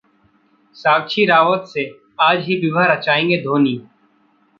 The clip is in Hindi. साक्षी रावत से आज ही विवाह रचाएंगे धोनी